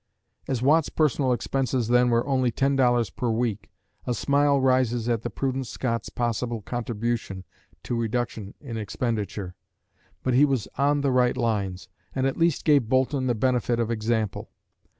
As Watt's personal expenses then were only ten dollars per week, a smile rises at the prudent Scot's possible contribution to reduction in expenditure. But he was on the right lines, and at least gave Boulton the benefit of example.